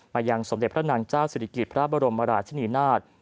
ยังสมเด็จพระนางเจ้าศิริกิจพระบรมราชนีนาฏ